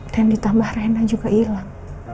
dan ditambah rena juga hilang